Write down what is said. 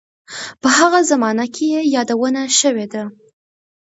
په هغه زمانه کې یې یادونه شوې ده.